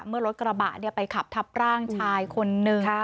เมื่อรถกระบะไปขับทับร่างชายคนนึง